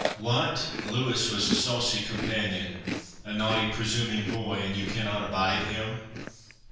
"What! Louis was a saucy companion—a naughty presuming boy—and you cannot abide him?